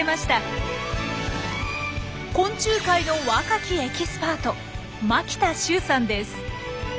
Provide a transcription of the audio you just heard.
昆虫界の若きエキスパート牧田習さんです。